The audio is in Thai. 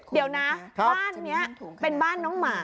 เดี๋ยวนะบ้านนี้เป็นบ้านน้องหมา